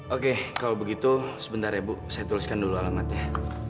oke kalau begitu sebentar ya bu saya tuliskan dulu alamatnya